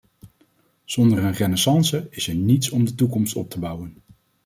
Zonder een renaissance is er niets om de toekomst op te bouwen.